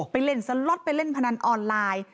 ไปเล่นสล็อตไปเล่นพนันออนไลน์